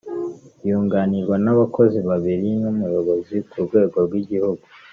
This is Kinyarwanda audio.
yunganirwa n abakozi babiri n’umuyobozi ku rwego rw’igihugu